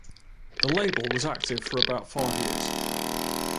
The label was active for about five years.